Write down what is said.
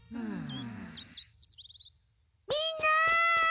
みんな！